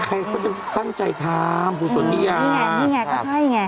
ใครเขาจะตั้งใจทำกุศลนิยามนี่ไงนี่ไงก็ใช่ไง